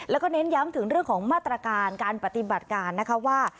แล้วก็เน้นย้ำถึงเรื่องของมาตรการการปฏิบัติการนะคะว่า